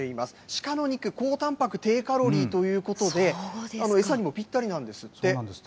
シカの肉、高たんぱく、低カロリーということで、餌にもぴったりなんですって。